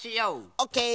オッケー。